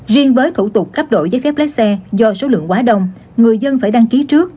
riêng với thủ tục cấp đổi giấy phép lái xe do số lượng quá đông người dân phải đăng ký trước